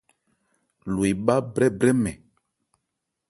Lo ebhá brɛ́brɛmɛn.